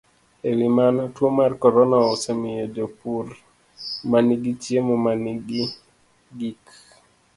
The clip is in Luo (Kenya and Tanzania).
E wi mano, tuo mar corona osemiyo jopur ma nigi chiemo ma nigi gik